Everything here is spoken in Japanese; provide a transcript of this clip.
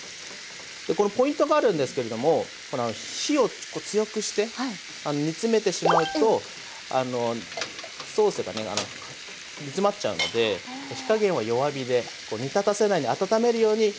これポイントがあるんですけれども火をちょっと強くして煮詰めてしまうとソースがね煮詰まっちゃうので火加減は弱火で煮立たせないで温めるように火を入れてって下さい。